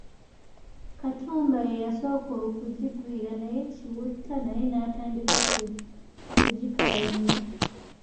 Katumba yeeyasooka okugigwira naye Kiwutta naye naatandika okugikayanira.